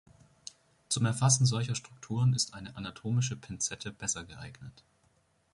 Zum Erfassen solcher Strukturen ist eine anatomische Pinzette besser geeignet.